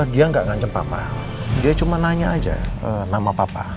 dia nggak ngancep papa dia cuma nanya aja nama papa